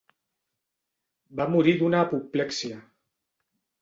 Va morir d'una apoplexia.